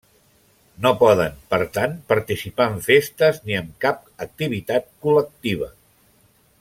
No poden, per tant, participar en festes ni en cap activitat col·lectiva.